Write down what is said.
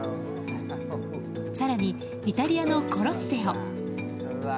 更に、イタリアのコロッセオ。